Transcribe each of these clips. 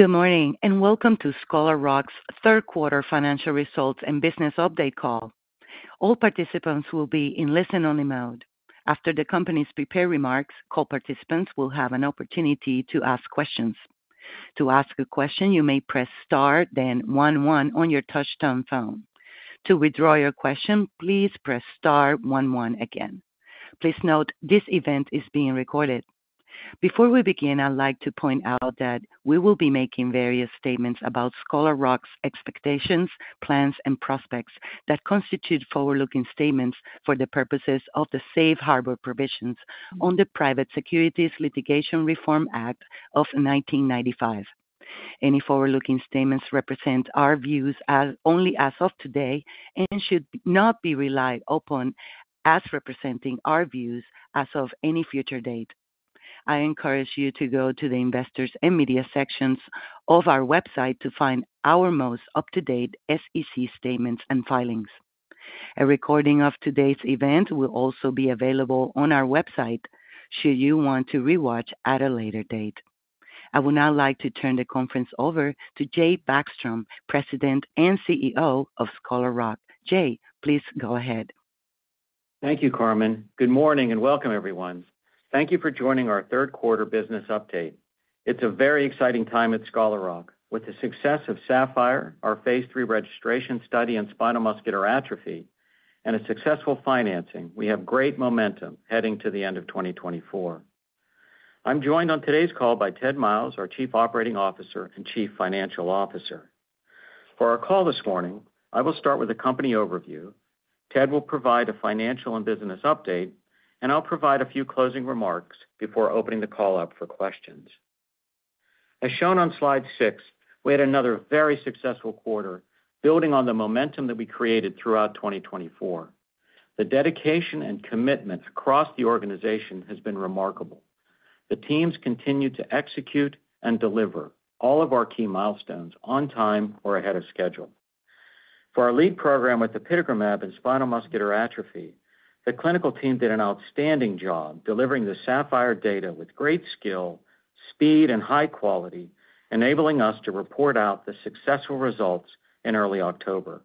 Good morning and welcome to Scholar Rock's Third Quarter Financial Results and Business Update Call. All participants will be in listen-only mode. After the company's prepared remarks, co-participants will have an opportunity to ask questions. To ask a question, you may press star, then one one on your touch-tone phone. To withdraw your question, please press star, one one again. Please note this event is being recorded. Before we begin, I'd like to point out that we will be making various statements about Scholar Rock's expectations, plans, and prospects that constitute forward-looking statements for the purposes of the Safe Harbor Provisions on the Private Securities Litigation Reform Act of 1995. Any forward-looking statements represent our views only as of today and should not be relied upon as representing our views as of any future date. I encourage you to go to the Investors and Media sections of our website to find our most up-to-date SEC statements and filings. A recording of today's event will also be available on our website should you want to rewatch at a later date. I would now like to turn the conference over to Jay Backstrom, President and CEO of Scholar Rock. Jay, please go ahead. Thank you, Carmen. Good morning and welcome, everyone. Thank you for joining our third quarter business update. It's a very exciting time at Scholar Rock. With the success of SAPPHIRE, our phase 3 registration study on spinal muscular atrophy, and a successful financing, we have great momentum heading to the end of 2024. I'm joined on today's call by Ted Myles, our Chief Operating Officer and Chief Financial Officer. For our call this morning, I will start with a company overview. Ted will provide a financial and business update, and I'll provide a few closing remarks before opening the call up for questions. As shown on slide 6, we had another very successful quarter building on the momentum that we created throughout 2024. The dedication and commitment across the organization has been remarkable. The teams continue to execute and deliver all of our key milestones on time or ahead of schedule. For our lead program with apitegromab and spinal muscular atrophy, the clinical team did an outstanding job delivering the SAPPHIRE data with great skill, speed, and high quality, enabling us to report out the successful results in early October.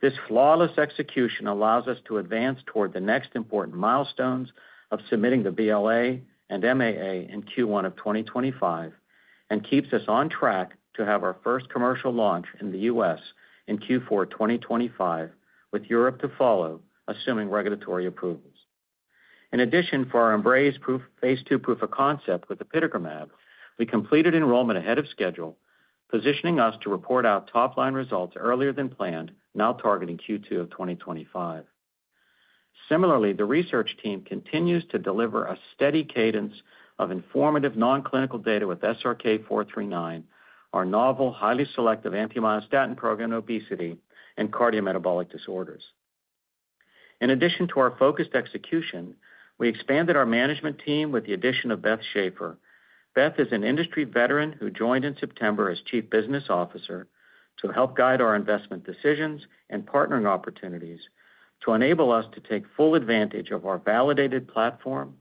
This flawless execution allows us to advance toward the next important milestones of submitting the BLA and MAA in Q1 of 2025 and keeps us on track to have our first commercial launch in the US in Q4 2025, with Europe to follow, assuming regulatory approvals. In addition, for our EMBRACE phase two proof of concept with apitegromab, we completed enrollment ahead of schedule, positioning us to report out top-line results earlier than planned, now targeting Q2 of 2025. Similarly, the research team continues to deliver a steady cadence of informative non-clinical data with SRK-439, our novel highly selective anti-myostatin program, obesity, and cardiometabolic disorders. In addition to our focused execution, we expanded our management team with the addition of Beth Shafer. Beth is an industry veteran who joined in September as Chief Business Officer to help guide our investment decisions and partnering opportunities to enable us to take full advantage of our validated platform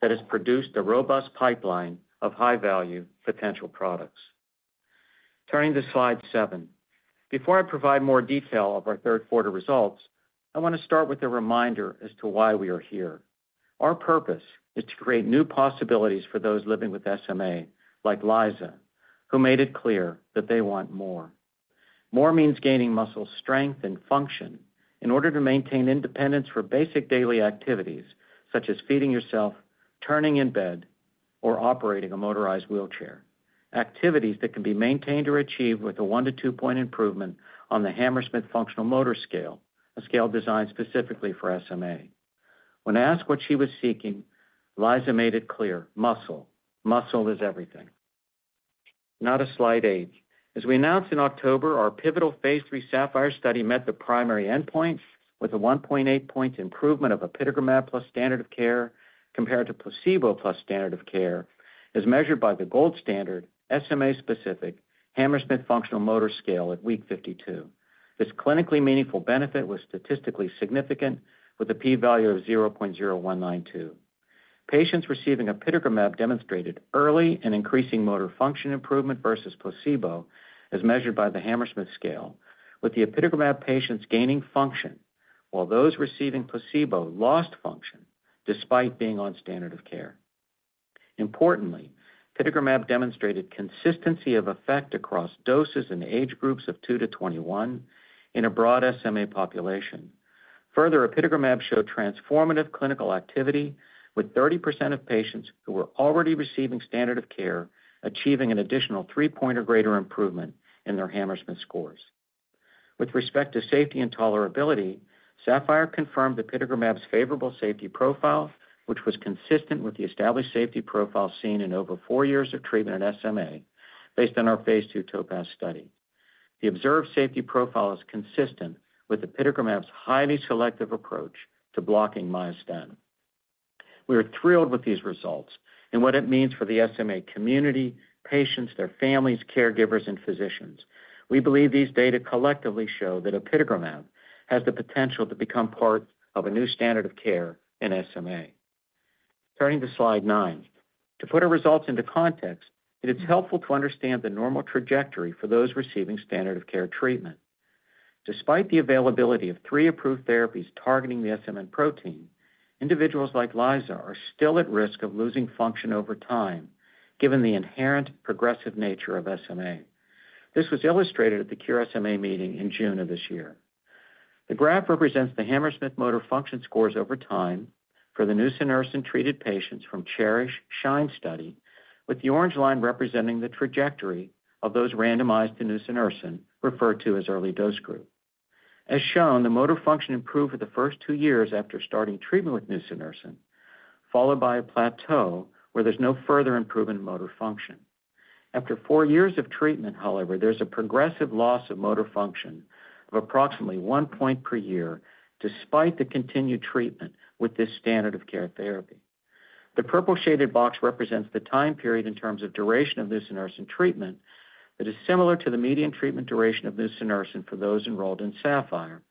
that has produced a robust pipeline of high-value potential products. Turning to slide seven, before I provide more detail of our third quarter results, I want to start with a reminder as to why we are here. Our purpose is to create new possibilities for those living with SMA, like Liza, who made it clear that they want more. More means gaining muscle strength and function in order to maintain independence for basic daily activities such as feeding yourself, turning in bed, or operating a motorized wheelchair. Activities that can be maintained or achieved with a one-to-two-point improvement on the Hammersmith Functional Motor Scale, a scale designed specifically for SMA. When asked what she was seeking, Liza made it clear, "Muscle. Muscle is everything." Not a slight ache. As we announced in October, our pivotal phase 3 Sapphire study met the primary endpoint with a 1.8-point improvement of apitegromab plus standard of care compared to placebo plus standard of care, as measured by the gold standard SMA-specific Hammersmith Functional Motor Scale at week 52. This clinically meaningful benefit was statistically significant with a p-value of 0.0192. Patients receiving apitegromab demonstrated early and increasing motor function improvement versus placebo as measured by the Hammersmith Scale, with the apitegromab patients gaining function while those receiving placebo lost function despite being on standard of care. Importantly, apitegromab demonstrated consistency of effect across doses and age groups of two to 21 in a broad SMA population. Further, apitegromab showed transformative clinical activity with 30% of patients who were already receiving standard of care achieving an additional three-point or greater improvement in their Hammersmith scores. With respect to safety and tolerability, SAPPHIRE confirmed the apitegromab's favorable safety profile, which was consistent with the established safety profile seen in over four years of treatment at SMA based on our phase 2 TOPAZ study. The observed safety profile is consistent with the apitegromab's highly selective approach to blocking myostatin. We are thrilled with these results and what it means for the SMA community, patients, their families, caregivers, and physicians. We believe these data collectively show that apitegromab has the potential to become part of a new standard of care in SMA. Turning to slide nine, to put our results into context, it is helpful to understand the normal trajectory for those receiving standard of care treatment. Despite the availability of three approved therapies targeting the SMN protein, individuals like Liza are still at risk of losing function over time given the inherent progressive nature of SMA. This was illustrated at the Cure SMA meeting in June of this year. The graph represents the Hammersmith motor function scores over time for the nusinersen treated patients from CHERISH SHINE study, with the orange line representing the trajectory of those randomized to nusinersen, referred to as early dose group. As shown, the motor function improved for the first two years after starting treatment with nusinersen, followed by a plateau where there's no further improvement in motor function. After four years of treatment, however, there's a progressive loss of motor function of approximately one point per year despite the continued treatment with this standard of care therapy. The purple shaded box represents the time period in terms of duration of nusinersen treatment that is similar to the median treatment duration of nusinersen for those enrolled in Sapphire,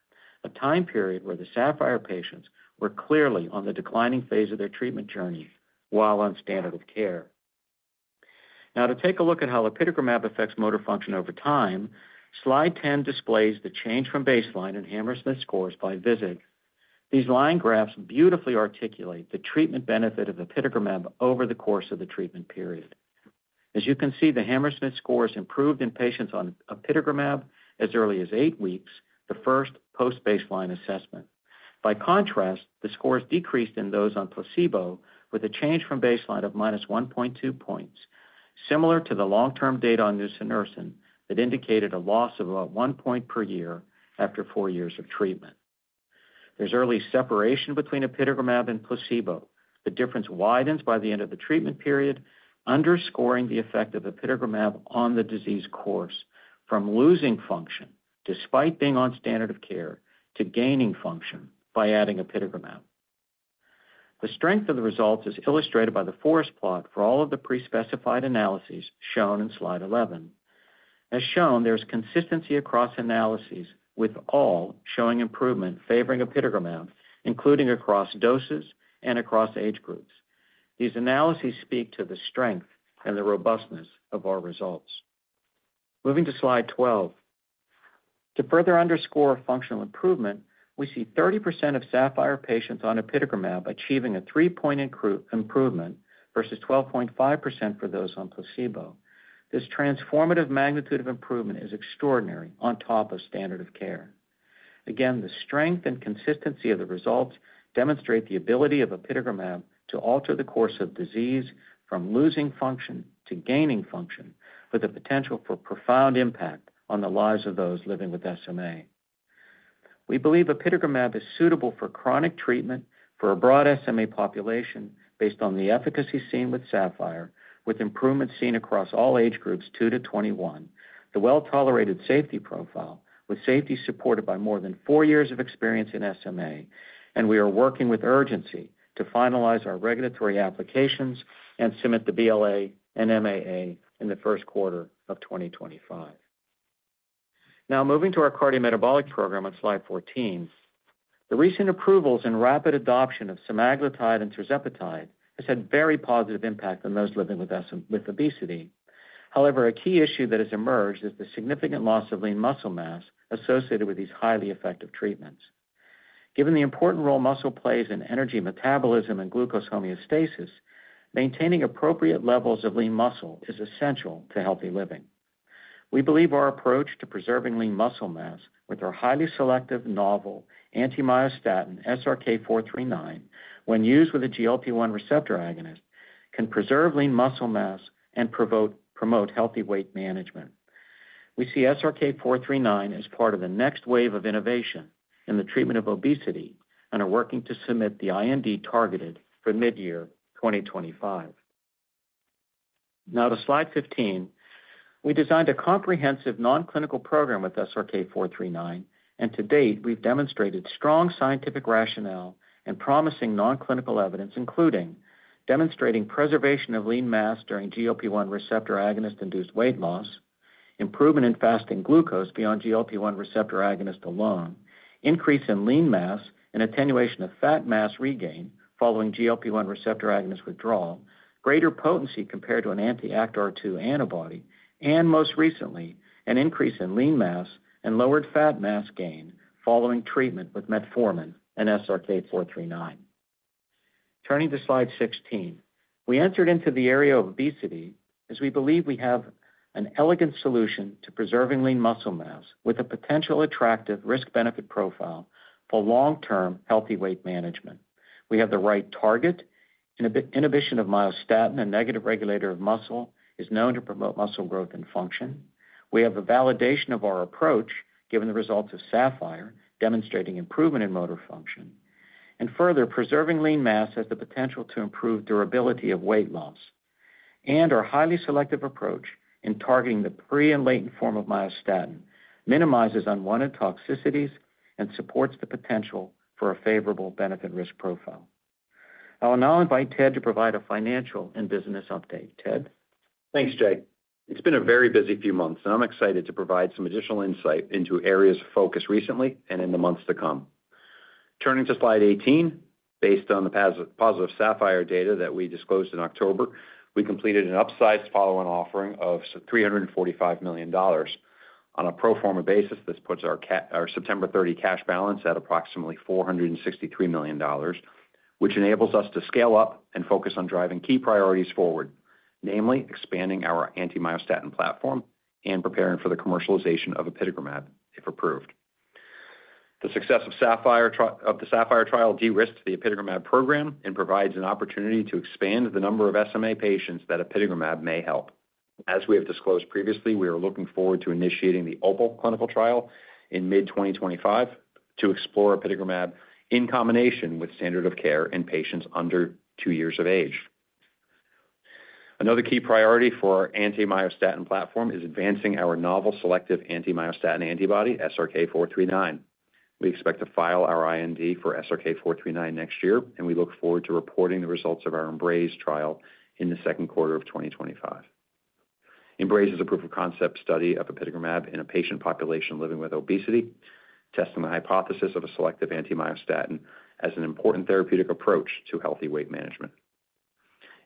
a time period where the Sapphire patients were clearly on the declining phase of their treatment journey while on standard of care. Now, to take a look at how apitegromab affects motor function over time, slide 10 displays the change from baseline and Hammersmith scores by visit. These line graphs beautifully articulate the treatment benefit of apitegromab over the course of the treatment period. As you can see, the Hammersmith scores improved in patients on apitegromab as early as eight weeks, the first post-baseline assessment. By contrast, the scores decreased in those on placebo with a change from baseline of minus 1.2 points, similar to the long-term data on nusinersen that indicated a loss of about one point per year after four years of treatment. There's early separation between apitegromab and placebo. The difference widens by the end of the treatment period, underscoring the effect of apitegromab on the disease course from losing function despite being on standard of care to gaining function by adding apitegromab. The strength of the results is illustrated by the forest plot for all of the pre-specified analyses shown in slide 11. As shown, there's consistency across analyses with all showing improvement favoring apitegromab, including across doses and across age groups. These analyses speak to the strength and the robustness of our results. Moving to slide 12. To further underscore functional improvement, we see 30% of SAPPHIRE patients on apitegromab achieving a three-point improvement versus 12.5% for those on placebo. This transformative magnitude of improvement is extraordinary on top of standard of care. Again, the strength and consistency of the results demonstrate the ability of apitegromab to alter the course of disease from losing function to gaining function with the potential for profound impact on the lives of those living with SMA. We believe apitegromab is suitable for chronic treatment for a broad SMA population based on the efficacy seen with SAPPHIRE, with improvement seen across all age groups two to 21, the well-tolerated safety profile with safety supported by more than four years of experience in SMA, and we are working with urgency to finalize our regulatory applications and submit the BLA and MAA in the first quarter of 2025. Now, moving to our cardiometabolic program on slide 14, the recent approvals and rapid adoption of semaglutide and tirzepatide has had a very positive impact on those living with obesity. However, a key issue that has emerged is the significant loss of lean muscle mass associated with these highly effective treatments. Given the important role muscle plays in energy metabolism and glucose homeostasis, maintaining appropriate levels of lean muscle is essential to healthy living. We believe our approach to preserving lean muscle mass with our highly selective novel anti-myostatin, SRK439, when used with a GLP-1 receptor agonist can preserve lean muscle mass and promote healthy weight management. We see SRK439 as part of the next wave of innovation in the treatment of obesity and are working to submit the IND targeted for mid-year 2025. Now, to slide 15, we designed a comprehensive non-clinical program with SRK439, and to date, we've demonstrated strong scientific rationale and promising non-clinical evidence, including demonstrating preservation of lean mass during GLP-1 receptor agonist-induced weight loss, improvement in fasting glucose beyond GLP-1 receptor agonist alone, increase in lean mass and attenuation of fat mass regain following GLP-1 receptor agonist withdrawal, greater potency compared to an anti-ActRII antibody, and most recently, an increase in lean mass and lowered fat mass gain following treatment with metformin and SRK439. Turning to slide 16, we entered into the area of obesity as we believe we have an elegant solution to preserving lean muscle mass with a potential attractive risk-benefit profile for long-term healthy weight management. We have the right target. Inhibition of myostatin, a negative regulator of muscle, is known to promote muscle growth and function. We have a validation of our approach given the results of SAPPHIRE demonstrating improvement in motor function. And further, preserving lean mass has the potential to improve durability of weight loss. And our highly selective approach in targeting the pre- and latent form of myostatin minimizes unwanted toxicities and supports the potential for a favorable benefit-risk profile. I will now invite Ted to provide a financial and business update. Ted. Thanks, Jay. It's been a very busy few months, and I'm excited to provide some additional insight into areas of focus recently and in the months to come. Turning to slide 18, based on the positive SAPPHIRE data that we disclosed in October, we completed an upsized follow-on offering of $345 million. On a pro forma basis, this puts our September 30 cash balance at approximately $463 million, which enables us to scale up and focus on driving key priorities forward, namely expanding our anti-myostatin platform and preparing for the commercialization of apitegromab if approved. The success of the SAPPHIRE trial de-risked the apitegromab program and provides an opportunity to expand the number of SMA patients that apitegromab may help. As we have disclosed previously, we are looking forward to initiating the OPAL clinical trial in mid-2025 to explore apitegromab in combination with standard of care in patients under two years of age. Another key priority for our anti-myostatin platform is advancing our novel selective anti-myostatin antibody, SRK-439. We expect to file our IND for SRK-439 next year, and we look forward to reporting the results of our EMBRACE trial in the second quarter of 2025. EMBRACE is a proof of concept study of apitegromab in a patient population living with obesity, testing the hypothesis of a selective anti-myostatin as an important therapeutic approach to healthy weight management.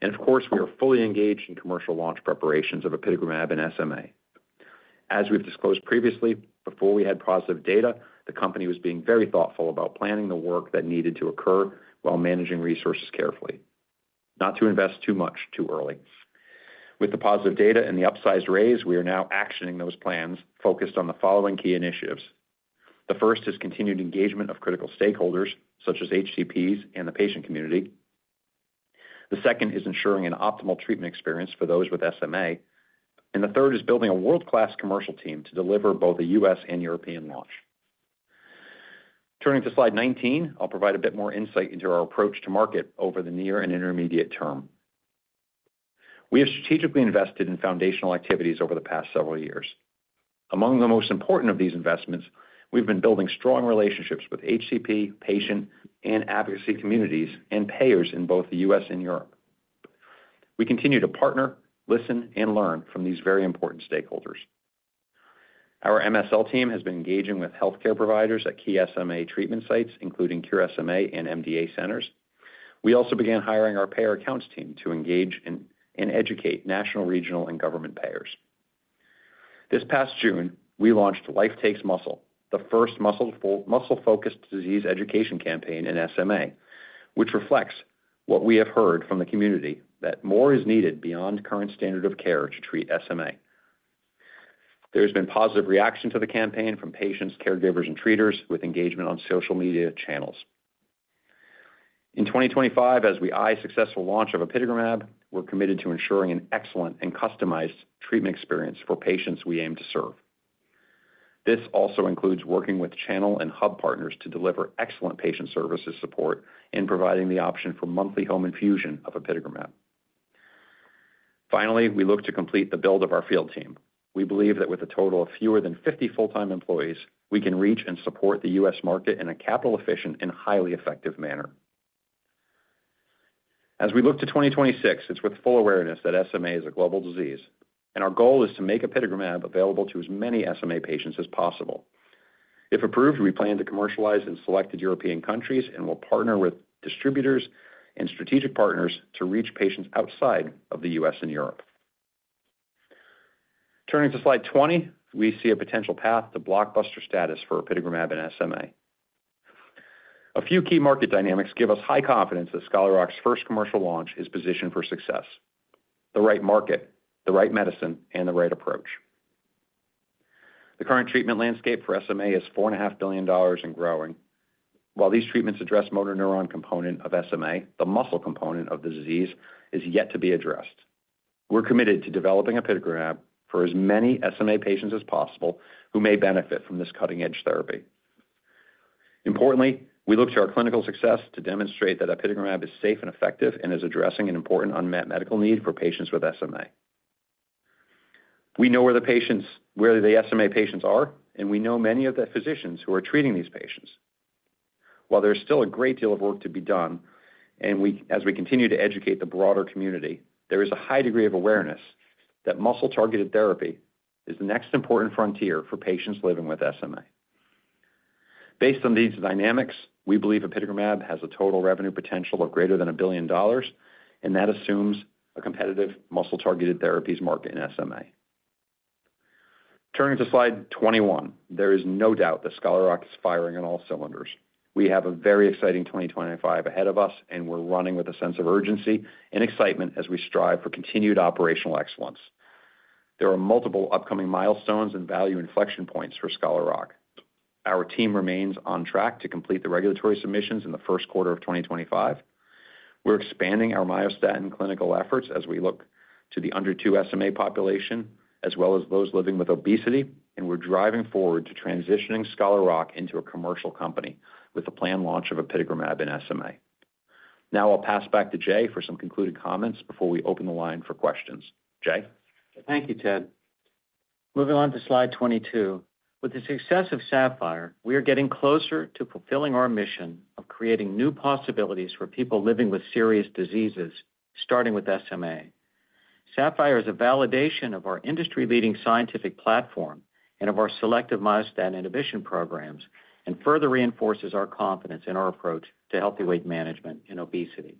And of course, we are fully engaged in commercial launch preparations of apitegromab in SMA. As we've disclosed previously, before we had positive data, the company was being very thoughtful about planning the work that needed to occur while managing resources carefully, not to invest too much too early. With the positive data and the upsized raise, we are now actioning those plans focused on the following key initiatives. The first is continued engagement of critical stakeholders such as HCPs and the patient community. The second is ensuring an optimal treatment experience for those with SMA. And the third is building a world-class commercial team to deliver both a U.S. and European launch. Turning to slide 19, I'll provide a bit more insight into our approach to market over the near and intermediate term. We have strategically invested in foundational activities over the past several years. Among the most important of these investments, we've been building strong relationships with HCP, patient, and advocacy communities and payers in both the U.S. and Europe. We continue to partner, listen, and learn from these very important stakeholders. Our MSL team has been engaging with healthcare providers at key SMA treatment sites, including Cure SMA and MDA centers. We also began hiring our payer accounts team to engage and educate national, regional, and government payers. This past June, we launched Life Takes Muscle, the first muscle-focused disease education campaign in SMA, which reflects what we have heard from the community that more is needed beyond current standard of care to treat SMA. There has been positive reaction to the campaign from patients, caregivers, and treaters with engagement on social media channels. In 2025, as we eye successful launch of apitegromab, we're committed to ensuring an excellent and customized treatment experience for patients we aim to serve. This also includes working with channel and hub partners to deliver excellent patient services support and providing the option for monthly home infusion of apitegromab. Finally, we look to complete the build of our field team. We believe that with a total of fewer than 50 full-time employees, we can reach and support the U.S. market in a capital-efficient and highly effective manner. As we look to 2026, it's with full awareness that SMA is a global disease, and our goal is to make apitegromab available to as many SMA patients as possible. If approved, we plan to commercialize in selected European countries and will partner with distributors and strategic partners to reach patients outside of the U.S. and Europe. Turning to slide 20, we see a potential path to blockbuster status for apitegromab in SMA. A few key market dynamics give us high confidence that Scholar Rock's first commercial launch is positioned for success: the right market, the right medicine, and the right approach. The current treatment landscape for SMA is $4.5 billion and growing. While these treatments address the motor neuron component of SMA, the muscle component of the disease is yet to be addressed. We're committed to developing apitegromab for as many SMA patients as possible who may benefit from this cutting-edge therapy. Importantly, we look to our clinical success to demonstrate that apitegromab is safe and effective and is addressing an important unmet medical need for patients with SMA. We know where the SMA patients are, and we know many of the physicians who are treating these patients. While there is still a great deal of work to be done, and as we continue to educate the broader community, there is a high degree of awareness that muscle-targeted therapy is the next important frontier for patients living with SMA. Based on these dynamics, we believe apitegromab has a total revenue potential of greater than $1 billion, and that assumes a competitive muscle-targeted therapies market in SMA. Turning to slide 21, there is no doubt that Scholar Rock is firing on all cylinders. We have a very exciting 2025 ahead of us, and we're running with a sense of urgency and excitement as we strive for continued operational excellence. There are multiple upcoming milestones and value inflection points for Scholar Rock. Our team remains on track to complete the regulatory submissions in the first quarter of 2025. We're expanding our myostatin and clinical efforts as we look to the under-2 SMA population as well as those living with obesity, and we're driving forward to transitioning Scholar Rock into a commercial company with the planned launch of apitegromab in SMA. Now, I'll pass back to Jay for some concluding comments before we open the line for questions. Jay. Thank you, Ted. Moving on to slide 22. With the success of SAPPHIRE, we are getting closer to fulfilling our mission of creating new possibilities for people living with serious diseases, starting with SMA. SAPPHIRE is a validation of our industry-leading scientific platform and of our selective myostatin inhibition programs and further reinforces our confidence in our approach to healthy weight management and obesity.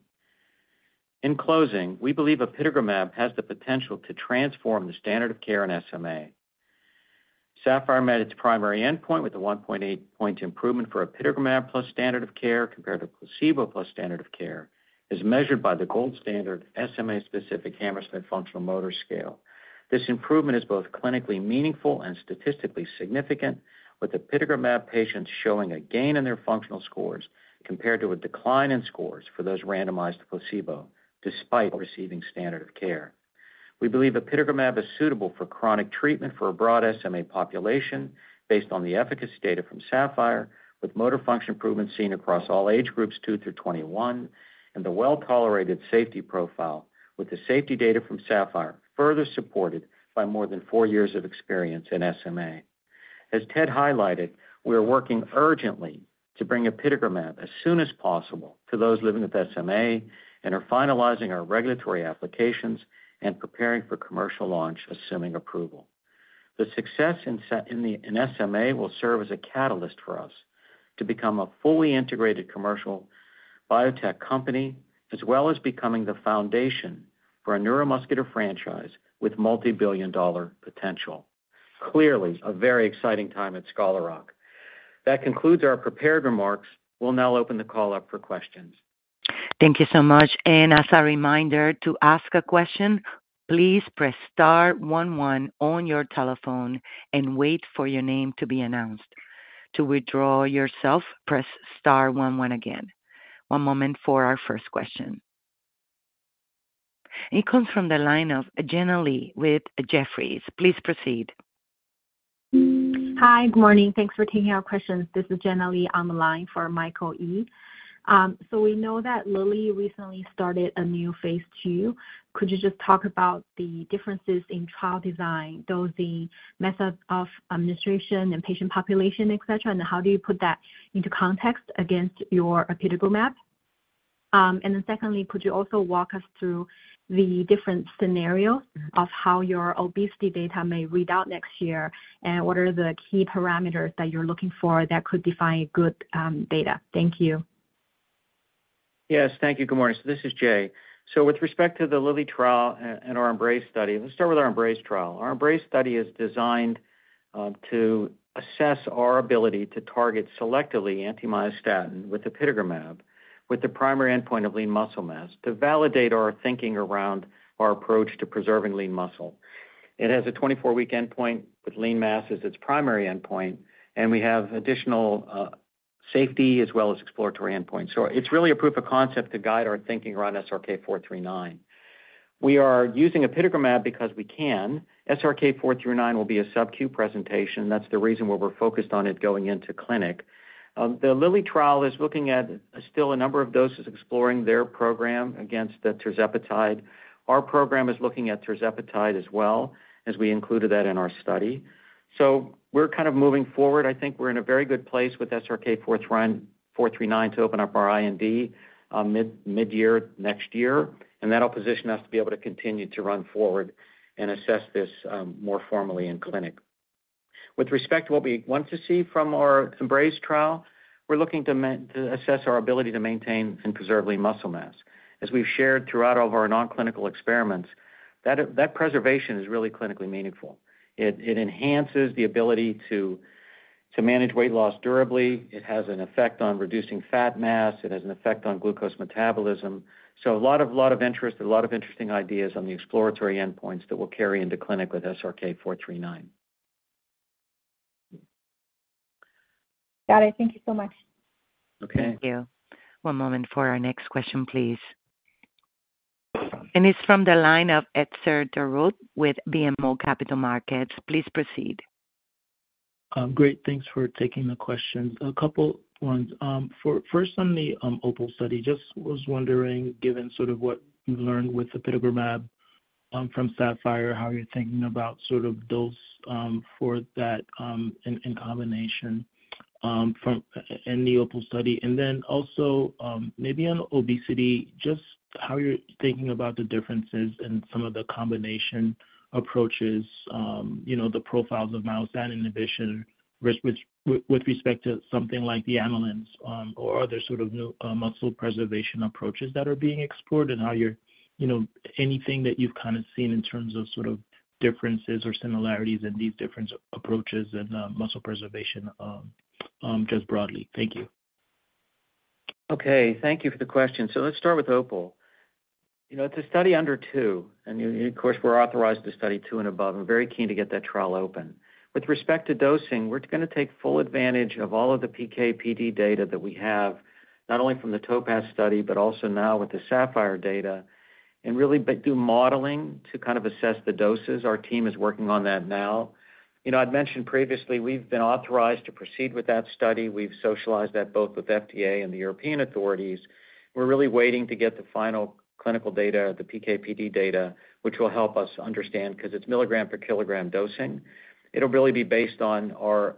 In closing, we believe apitegromab has the potential to transform the standard of care in SMA. SAPPHIRE met its primary endpoint with a 1.8-point improvement for apitegromab plus standard of care compared to placebo plus standard of care, as measured by the gold standard SMA-specific Hammersmith Functional Motor Scale. This improvement is both clinically meaningful and statistically significant, with the apitegromab patients showing a gain in their functional scores compared to a decline in scores for those randomized to placebo despite receiving standard of care. We believe apitegromab is suitable for chronic treatment for a broad SMA population based on the efficacy data from SAPPHIRE, with motor function improvements seen across all age groups 2 through 21, and the well-tolerated safety profile, with the safety data from SAPPHIRE further supported by more than four years of experience in SMA. As Ted highlighted, we are working urgently to bring apitegromab as soon as possible to those living with SMA and are finalizing our regulatory applications and preparing for commercial launch assuming approval. The success in SMA will serve as a catalyst for us to become a fully integrated commercial biotech company, as well as becoming the foundation for a neuromuscular franchise with multi-billion-dollar potential. Clearly, a very exciting time at Scholar Rock. That concludes our prepared remarks. We'll now open the call up for questions. Thank you so much. And as a reminder to ask a question, please press star one one on your telephone and wait for your name to be announced. To withdraw yourself, press star one one again. One moment for our first question. It comes from the line of Jenna Li with Jefferies. Please proceed. Hi, good morning. Thanks for taking our questions. This is Jenna Li on the line for Michael Yee. So we know that Lilly recently started a new phase two. Could you just talk about the differences in trial design, dosing, method of administration, and patient population, et cetera, and how do you put that into context against your apitegromab? And then secondly, could you also walk us through the different scenarios of how your obesity data may read out next year, and what are the key parameters that you're looking for that could define good data? Thank you. Yes, thank you. Good morning. This is Jay. With respect to the Lilly trial and our Embrace study, let's start with our Embrace study. Our Embrace study is designed to assess our ability to target selectively anti-myostatin with apitegromab, with the primary endpoint of lean muscle mass, to validate our thinking around our approach to preserving lean muscle. It has a 24-week endpoint with lean mass as its primary endpoint, and we have additional safety as well as exploratory endpoints. It is really a proof of concept to guide our thinking around SRK439. We are using apitegromab because we can. SRK439 will be a sub-Q presentation. That is the reason why we are focused on it going into clinic. The Lilly trial is looking at still a number of doses exploring their program against the tirzepatide. Our program is looking at tirzepatide as well, as we included that in our study. So we're kind of moving forward. I think we're in a very good place with SRK-439 to open up our IND mid-year next year, and that'll position us to be able to continue to run forward and assess this more formally in clinic. With respect to what we want to see from our EMBRACE trial, we're looking to assess our ability to maintain and preserve lean muscle mass. As we've shared throughout all of our non-clinical experiments, that preservation is really clinically meaningful. It enhances the ability to manage weight loss durably. It has an effect on reducing fat mass. It has an effect on glucose metabolism. So a lot of interest, a lot of interesting ideas on the exploratory endpoints that we'll carry into clinic with SRK-439. Got it. Thank you so much. Okay. Thank you. One moment for our next question, please. And it's from the line of Etzer Darout with BMO Capital Markets. Please proceed. Great. Thanks for taking the questions. A couple of ones. First, on the OPAL study, just was wondering, given sort of what you've learned with the apitegromab from SAPPHIRE, how you're thinking about sort of dose for that in combination in the OPAL study. And then also maybe on obesity, just how you're thinking about the differences in some of the combination approaches, the profiles of myostatin inhibition with respect to something like the Eli Lilly's or other sort of muscle preservation approaches that are being explored, and how you're anything that you've kind of seen in terms of sort of differences or similarities in these different approaches and muscle preservation just broadly. Thank you. Okay. Thank you for the question. So let's start with OPAL. It's a study under two, and of course, we're authorized to study two and above. I'm very keen to get that trial open. With respect to dosing, we're going to take full advantage of all of the PK/PD data that we have, not only from the TOPAZ study, but also now with the SAPPHIRE data, and really do modeling to kind of assess the doses. Our team is working on that now. I'd mentioned previously, we've been authorized to proceed with that study. We've socialized that both with FDA and the European authorities. We're really waiting to get the final clinical data, the PK/PD data, which will help us understand because it's milligram per kilogram dosing. It'll really be based on our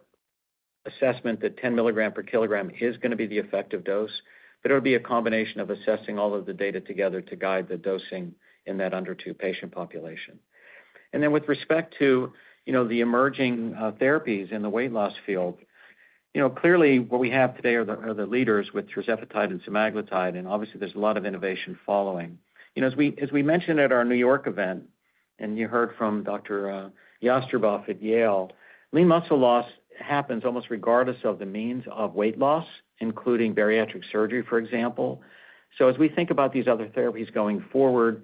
assessment that 10 milligram per kilogram is going to be the effective dose, but it'll be a combination of assessing all of the data together to guide the dosing in that under-two patient population, and then with respect to the emerging therapies in the weight loss field, clearly what we have today are the leaders with tirzepatide and semaglutide, and obviously, there's a lot of innovation following. As we mentioned at our New York event, and you heard from Dr. Jastreboff at Yale, lean muscle loss happens almost regardless of the means of weight loss, including bariatric surgery, for example, so as we think about these other therapies going forward,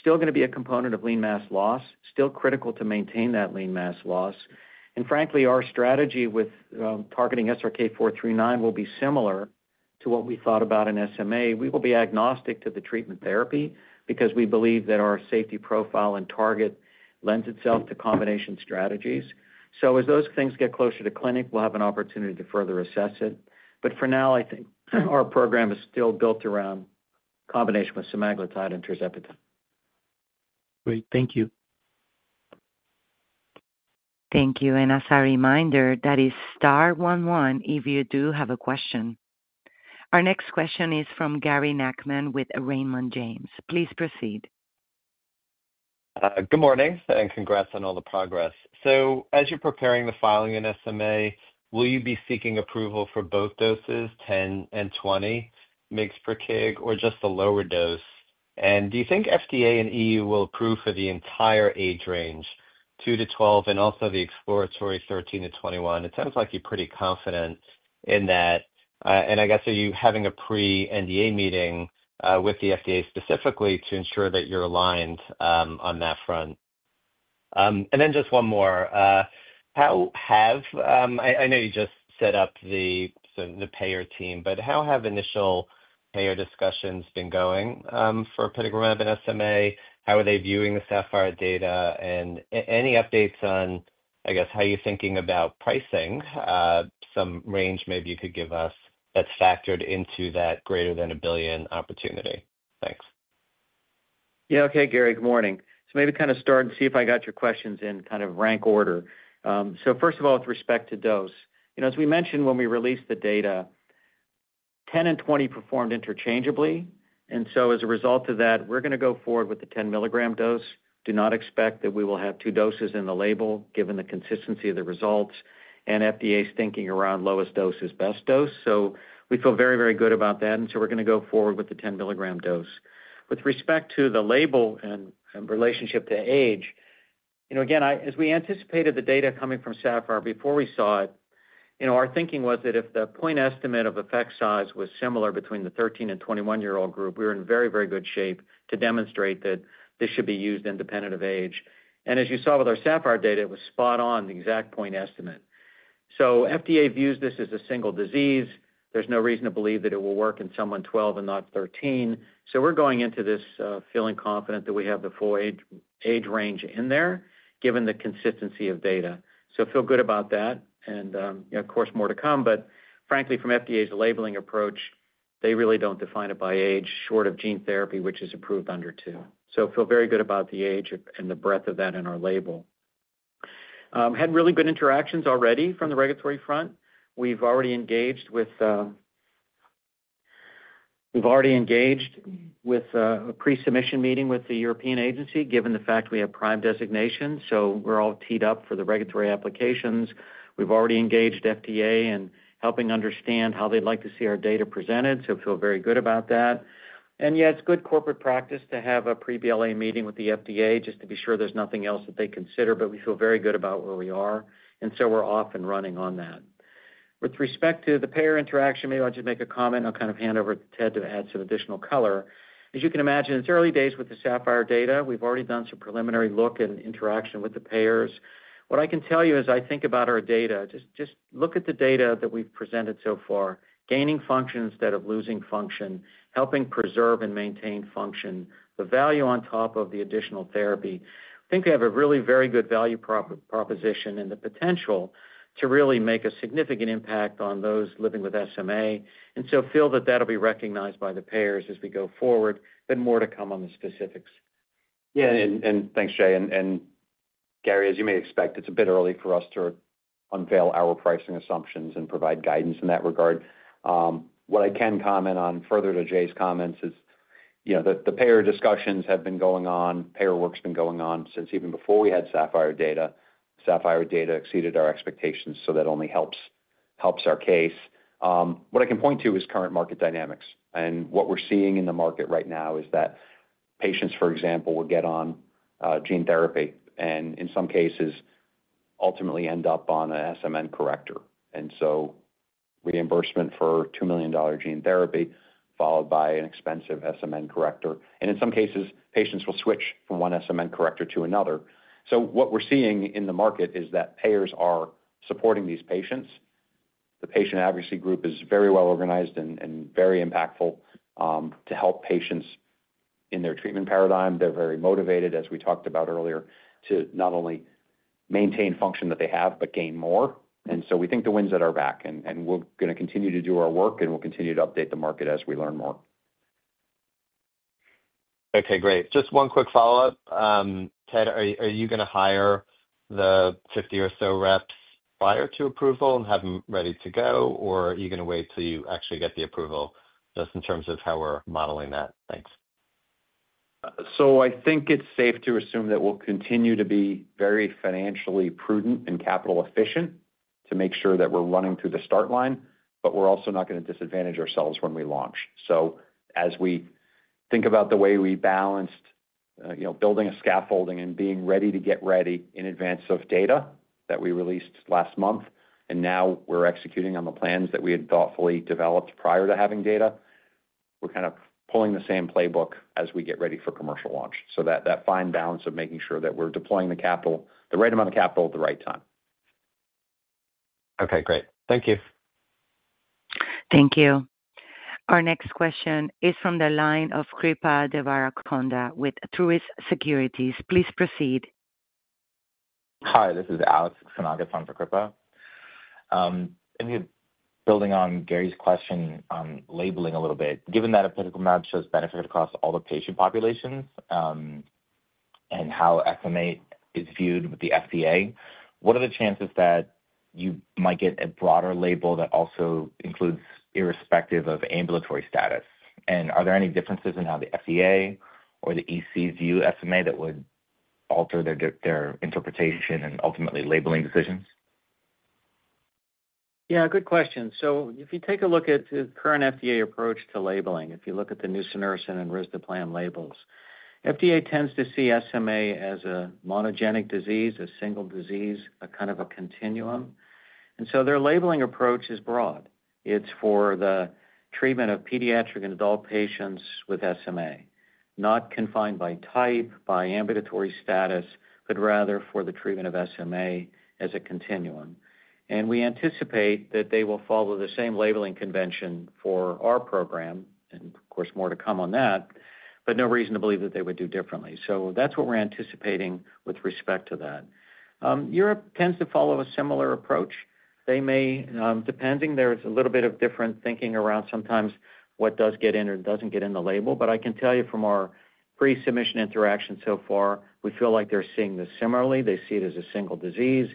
still going to be a component of lean mass loss, still critical to maintain that lean mass loss. Frankly, our strategy with targeting SRK439 will be similar to what we thought about in SMA. We will be agnostic to the treatment therapy because we believe that our safety profile and target lends itself to combination strategies. As those things get closer to clinic, we'll have an opportunity to further assess it. For now, I think our program is still built around combination with semaglutide and tirzepatide. Great. Thank you. Thank you. And as a reminder, that is star one one if you do have a question. Our next question is from Gary Nachman with Raymond James. Please proceed. Good morning and congrats on all the progress. So as you're preparing the filing in SMA, will you be seeking approval for both doses, 10-20 mg/kg, or just the lower dose? And do you think FDA and EU will approve for the entire age range, 2-12, and also the exploratory 13-21? It sounds like you're pretty confident in that. And I guess are you having a pre-NDA meeting with the FDA specifically to ensure that you're aligned on that front? And then just one more. I know you just set up the payer team, but how have initial payer discussions been going for apitegromab in SMA? How are they viewing the Sapphire data? And any updates on, I guess, how you're thinking about pricing, some range maybe you could give us that's factored into that greater than a billion opportunity? Thanks. Yeah. Okay, Gary. Good morning. So maybe kind of start and see if I got your questions in kind of rank order. So first of all, with respect to dose, as we mentioned when we released the data, 10-20 performed interchangeably. And so as a result of that, we're going to go forward with the 10 milligram dose. Do not expect that we will have two doses in the label given the consistency of the results and FDA's thinking around lowest dose is best dose. So we feel very, very good about that. And so we're going to go forward with the 10 milligram dose. With respect to the label and relationship to age, again, as we anticipated the data coming from SAPPHIRE before we saw it, our thinking was that if the point estimate of effect size was similar between the 13 and 21-year-old group, we were in very, very good shape to demonstrate that this should be used independent of age, and as you saw with our SAPPHIRE data, it was spot on the exact point estimate, so FDA views this as a single disease. There's no reason to believe that it will work in someone 12 and not 13, so we're going into this feeling confident that we have the full age range in there given the consistency of data, so feel good about that, and of course, more to come. But frankly, from FDA's labeling approach, they really don't define it by age, short of gene therapy, which is approved under two. So feel very good about the age and the breadth of that in our label. Had really good interactions already from the regulatory front. We've already engaged with a pre-submission meeting with the European agency given the fact we have PRIME designation. So we're all teed up for the regulatory applications. We've already engaged FDA in helping understand how they'd like to see our data presented. So feel very good about that. And yeah, it's good corporate practice to have a pre-BLA meeting with the FDA just to be sure there's nothing else that they consider. But we feel very good about where we are. And so we're off and running on that. With respect to the payer interaction, maybe I'll just make a comment. I'll kind of hand over to Ted to add some additional color. As you can imagine, it's early days with the SAPPHIRE data. We've already done some preliminary look and interaction with the payers. What I can tell you as I think about our data, just look at the data that we've presented so far, gaining function instead of losing function, helping preserve and maintain function, the value on top of the additional therapy. I think we have a really very good value proposition and the potential to really make a significant impact on those living with SMA. And so feel that that'll be recognized by the payers as we go forward. But more to come on the specifics. Yeah, and thanks, Jay. And Gary, as you may expect, it's a bit early for us to unveil our pricing assumptions and provide guidance in that regard. What I can comment on further to Jay's comments is the payer discussions have been going on. Payer work's been going on since even before we had SAPPHIRE data. SAPPHIRE data exceeded our expectations, so that only helps our case. What I can point to is current market dynamics, and what we're seeing in the market right now is that patients, for example, will get on gene therapy and in some cases ultimately end up on an SMN corrector, and so reimbursement for $2 million gene therapy followed by an expensive SMN corrector. And in some cases, patients will switch from one SMN corrector to another, so what we're seeing in the market is that payers are supporting these patients. The patient advocacy group is very well organized and very impactful to help patients in their treatment paradigm. They're very motivated, as we talked about earlier, to not only maintain function that they have, but gain more, and so we think the winds at our back. We're going to continue to do our work, and we'll continue to update the market as we learn more. Okay. Great. Just one quick follow-up. Ted, are you going to hire the 50 or so reps prior to approval and have them ready to go, or are you going to wait till you actually get the approval just in terms of how we're modeling that? Thanks. So I think it's safe to assume that we'll continue to be very financially prudent and capital efficient to make sure that we're running through the start line, but we're also not going to disadvantage ourselves when we launch. So as we think about the way we balanced building a scaffolding and being ready to get ready in advance of data that we released last month, and now we're executing on the plans that we had thoughtfully developed prior to having data, we're kind of pulling the same playbook as we get ready for commercial launch. So that fine balance of making sure that we're deploying the capital, the right amount of capital at the right time. Okay. Great. Thank you. Thank you. Our next question is from the line of Kripa Devarakonda with Truist Securities. Please proceed. Hi. This is Alex Sanagaton for Kripa, and building on Gary's question on labeling a little bit, given that apitegromab shows benefit across all the patient populations and how SMA is viewed with the FDA, what are the chances that you might get a broader label that also includes irrespective of ambulatory status? And are there any differences in how the FDA or the EC view SMA that would alter their interpretation and ultimately labeling decisions? Yeah. Good question. So if you take a look at the current FDA approach to labeling, if you look at the nusinersen and risdiplam labels, FDA tends to see SMA as a monogenic disease, a single disease, a kind of a continuum. And so their labeling approach is broad. It's for the treatment of pediatric and adult patients with SMA, not confined by type, by ambulatory status, but rather for the treatment of SMA as a continuum. And we anticipate that they will follow the same labeling convention for our program, and of course, more to come on that, but no reason to believe that they would do differently. So that's what we're anticipating with respect to that. Europe tends to follow a similar approach. Depending, there's a little bit of different thinking around sometimes what does get in or doesn't get in the label. But I can tell you from our pre-submission interaction so far, we feel like they're seeing this similarly. They see it as a single disease.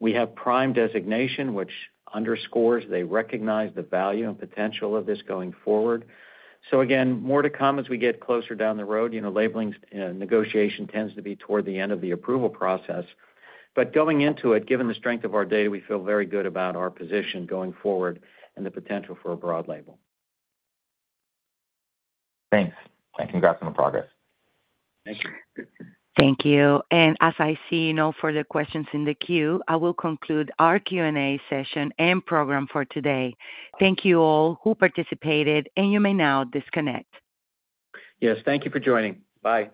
We have prime designation, which underscores they recognize the value and potential of this going forward. So again, more to come as we get closer down the road. Labeling negotiation tends to be toward the end of the approval process. But going into it, given the strength of our data, we feel very good about our position going forward and the potential for a broad label. Thanks. Congrats on the progress. Thank you. Thank you. And as I see no further questions in the queue, I will conclude our Q&A session and program for today. Thank you all who participated, and you may now disconnect. Yes. Thank you for joining. Bye.